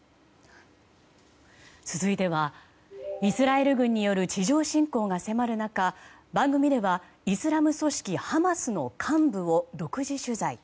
続いてはイスラエル軍による地上侵攻が迫る中番組ではイスラム組織ハマスの幹部を独自取材。